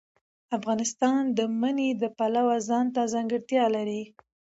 افغانستان د منی د پلوه ځانته ځانګړتیا لري.